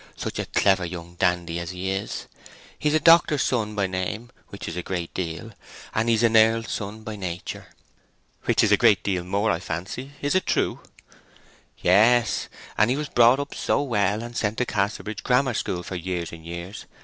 Such a clever young dandy as he is! He's a doctor's son by name, which is a great deal; and he's an earl's son by nature!" "Which is a great deal more. Fancy! Is it true?" "Yes. And, he was brought up so well, and sent to Casterbridge Grammar School for years and years.